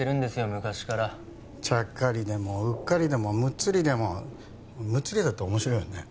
昔からちゃっかりでもうっかりでもむっつりでもむっつりだと面白いよね